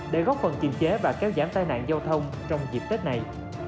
để góp phần kiềm chế và kéo giảm tai nạn giao thông trong dịp tết này